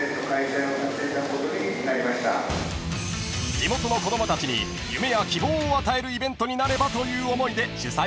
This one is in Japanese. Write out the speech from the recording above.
［地元の子供たちに夢や希望を与えるイベントになればという思いで主催したそうです］